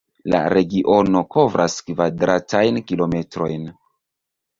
La regiono kovras kvadratajn kilometrojn.